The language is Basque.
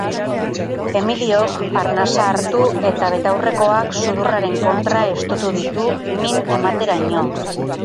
Emiliok arnasa hartu eta betaurrekoak sudurraren kontra estutu ditu min emateraino.